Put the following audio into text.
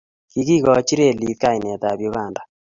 kikikochi relit kainetab Uganda.